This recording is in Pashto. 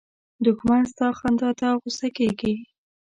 دښمن ستا خندا ته غوسه کېږي